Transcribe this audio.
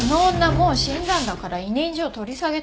もう死んだんだから委任状取り下げてよ。